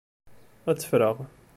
Ad t-ffreɣ.